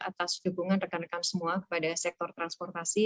atas dukungan rekan rekan semua kepada sektor transportasi